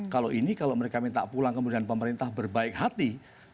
kalau ini kalau mereka minta pulang kemudian pemerintah berbaik hati